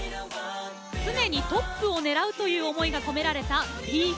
常にトップを狙うという思いが込められたＢＥ：ＦＩＲＳＴ。